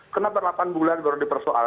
kenapa delapan bulan baru dipersoalkan